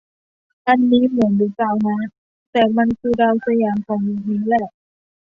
อันนี้เหมือน รึเปล่าฮะ แต่มันคือดาวสยามของยุคนี้แหละ